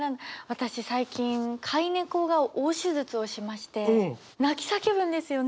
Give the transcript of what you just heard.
私最近飼い猫が大手術をしまして泣き叫ぶんですよ